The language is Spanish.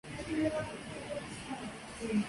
Key Documents